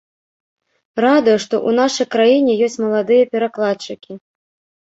Радуе, што ў нашай краіне ёсць маладыя перакладчыкі.